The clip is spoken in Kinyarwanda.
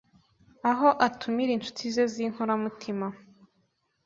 aho atumira inshuti ze z’inkoramutima